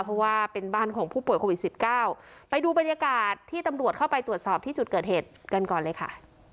เพราะว่าเป็นบ้านของผู้ป่วยโควิดสิบเก้าไปดูบรรยากาศที่ตำรวจเข้าไปตรวจสอบที่จุดเกิดเหตุกันก่อนเลยค่ะ